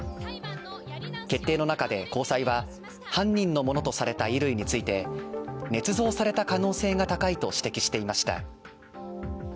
決定の中で高裁は、犯人のものとされた衣類について、ねつ造された可能性が高いと指摘していました。